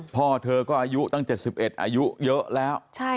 พ่อเธอก็อายุตั้ง๗๑อายุเยอะแล้ว